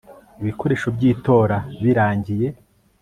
ibikoresho by itora birangiye